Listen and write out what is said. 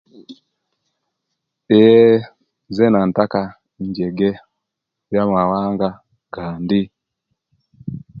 Eeeh zeena nttaka injege obyamumawanga agandi